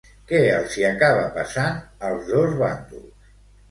Què els hi acaba passant als dos bàndols?